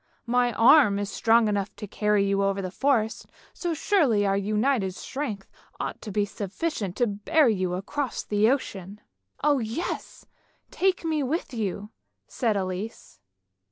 My arm is strong enough to carry you over the forest, so surely our united strength ought to be sufficient to bear you across the ocean." " Oh yes! take me with you," said Elise.